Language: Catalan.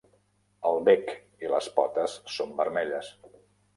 El bec i les potes són vermelles.